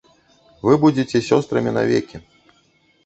Вы будзеце сёстрамі навекі.